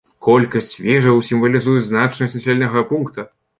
Колькасць вежаў сімвалізуе значнасць населенага пункта.